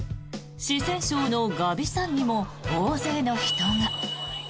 四川省の峨眉山にも大勢の人が。